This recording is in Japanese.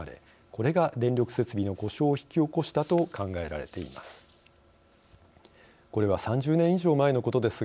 これが電力設備の故障を引き起こしたと考えられています。